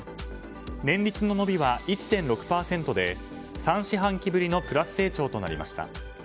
年率の伸びは１．６で３四半期ぶりのプラス成長となりました。